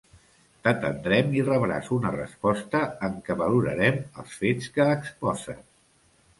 T'atendrem i rebràs una resposta en què valorarem els fets que exposes.